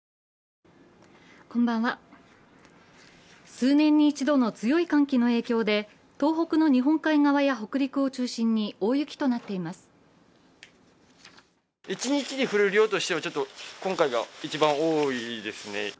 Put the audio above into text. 数年に一度の強い寒気の影響で東北の日本海側や北陸を中心に大雪となっています。